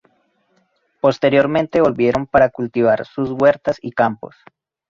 Posteriormente volvieron para cultivar sus huertas y campos.